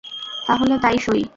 তাহলে তাই সই!